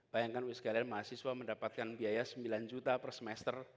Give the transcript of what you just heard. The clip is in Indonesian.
bayangkan mahasiswa mendapatkan biaya rp sembilan juta per semester